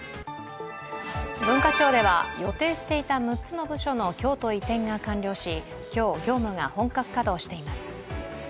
文化庁では予定していた６つの部署の京都移転が完了し今日、業務が本格稼働しています。